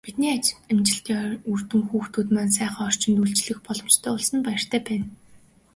Бидний ажлын үр дүн гарч, хүүхдүүд маань сайхан орчинд үйлчлүүлэх боломжтой болсонд баяртай байна.